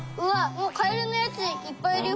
もうカエルのやついっぱいいるよ。